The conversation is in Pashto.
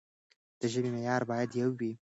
د ژبې معيار بايد يو وي.